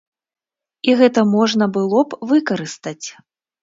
І гэта можна было б выкарыстаць.